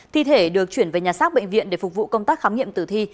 thi thể được chuyển về nhà xác bệnh viện để phục vụ công tác khám nghiệm tử thi